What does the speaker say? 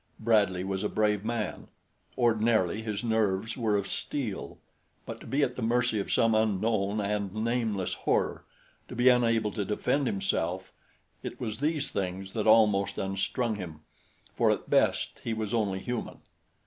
Bradley was a brave man; ordinarily his nerves were of steel; but to be at the mercy of some unknown and nameless horror, to be unable to defend himself it was these things that almost unstrung him, for at best he was only human.